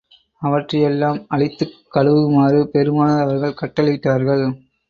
அவற்றையெல்லாம் அழித்துக் கழுவுமாறு பெருமானார் அவர்கள் கட்டளையிட்டார்கள்.